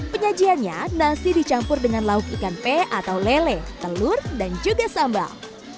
penyajiannya nasi dicampur dengan lauk ikan pe atau lele telur dan juga sambal